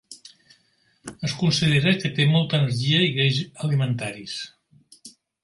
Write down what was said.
Es considera que té molta energia i greix alimentaris.